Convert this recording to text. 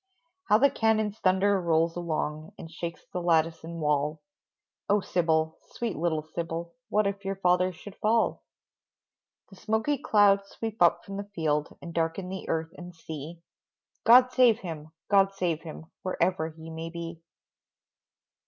How the cannons' thunder rolls along, And shakes the lattice and wall, Oh, Sybil, sweet little Sybil, What if your father should fall? The smoky clouds sweep up from the field And darken the earth and sea, "God save him! God save him!" Wherever he may be.